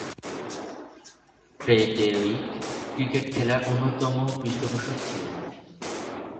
Frederic cricket খেলার অন্যতম পৃষ্ঠপোষক ছিলেন।